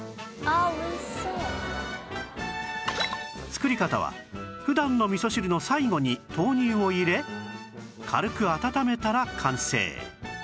作り方は普段の味噌汁の最後に豆乳を入れ軽く温めたら完成